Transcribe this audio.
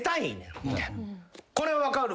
これは分かる。